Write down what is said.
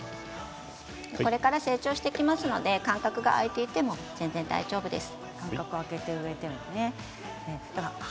これから成長していきますので間隔が空いていても全然大丈夫です。